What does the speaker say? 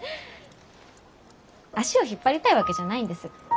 足を引っ張りたいわけじゃないんです。